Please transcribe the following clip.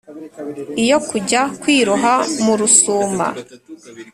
iyo kujya kwiroha mu rusuma